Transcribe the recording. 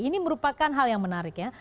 ini merupakan hal yang menarik ya